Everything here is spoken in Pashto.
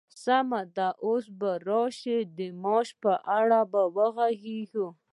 سمه ده، اوس به راشو د معاش په اړه به وغږيږو!